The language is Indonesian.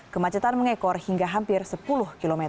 kemacetan mengekor hingga hampir sepuluh km